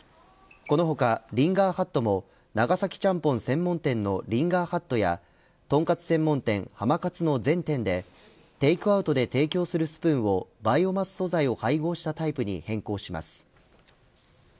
この他リンガーハットも長崎ちゃんぽん専門店のリンガーハットやとんかつ専門店、濱かつの全店でテイクアウトで提供するスプーンをバイオマス素材を配合したタイプに変更します。